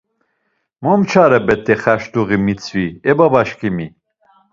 Momçare bet̆e xarçuluği mitzvi, e babaşǩimi!